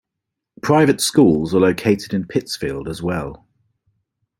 Private schools are located in Pittsfield as well.